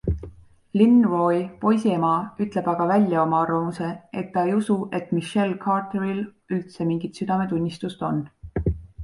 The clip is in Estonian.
Lynn Roy, poisi ema, ütleb aga välja oma arvamuse, et ta ei usu, et Michelle Carteril üldse mingit südametunnistust on.